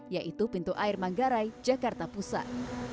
yaitu pintu air manggarai jakarta pusat